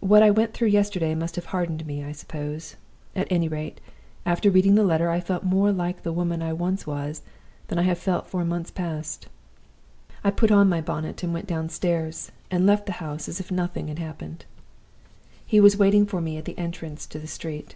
"What I went through yesterday must have hardened me, I suppose. At any rate, after reading the letter, I felt more like the woman I once was than I have felt for months past. I put on my bonnet and went downstairs, and left the house as if nothing had happened. "He was waiting for me at the entrance to the street.